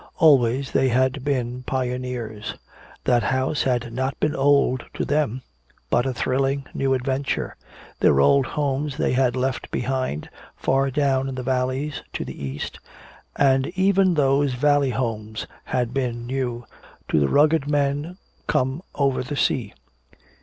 Always they had been pioneers. That house had not been old to them, but a thrilling new adventure. Their old homes they had left behind, far down in the valleys to the east. And even those valley homes had been new to the rugged men come over the sea.